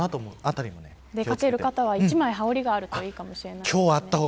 出掛ける方は一枚羽織があるといいかもしれないですね。